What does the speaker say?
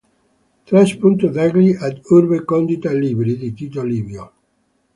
Trae spunto dagli "Ab Urbe condita libri" di Tito Livio.